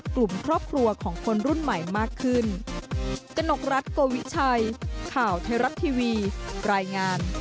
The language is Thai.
กลุ่มครอบครัวของคนรุ่นใหม่มากขึ้น